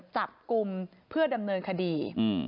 จับกลุ่มเพื่อดำเนินคดี